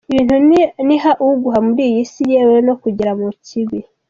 Ibintu ni “ha uguha” muri iyi si, yewe no kugera mu kibi.